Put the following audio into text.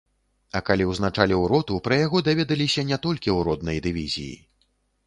А калі ўзначаліў роту, пра яго даведаліся не толькі ў роднай дывізіі.